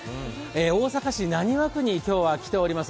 大阪市浪速区に今日は来ております。